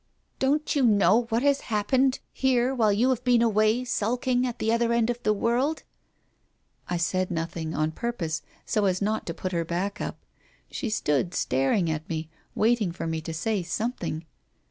"Don't you know what has happened here while you have been away sulking at the other end of the world ?", I said nothing on purpose, so as not to put her back up. She stood staring at me, waiting for me to say something.